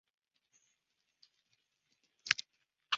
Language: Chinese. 枢机团内部对圣座对外政策的持续分歧造成这次教会分裂。